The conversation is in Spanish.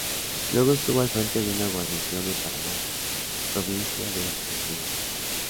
Luego estuvo al frente de una guarnición en Paraná, Provincia de Entre Ríos.